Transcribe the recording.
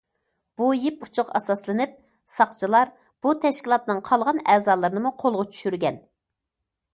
بۇ يىپ ئۇچىغا ئاساسلىنىپ، ساقچىلار بۇ تەشكىلاتنىڭ قالغان ئەزالىرىنىمۇ قولغا چۈشۈرگەن.